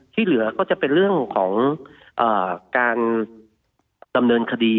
เหลือก็จะเป็นเรื่องของการดำเนินคดี